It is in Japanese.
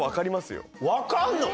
分かるの？